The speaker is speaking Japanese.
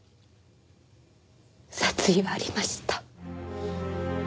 殺意はありました。